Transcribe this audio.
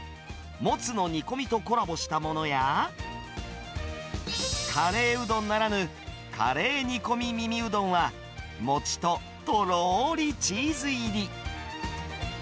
もつの煮込みとコラボしたものや、カレーうどんならぬ、カレー煮込み耳うどんは、餅ととろーりチーズ入り。